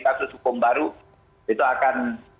kasus hukum baru itu akan